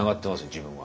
自分は。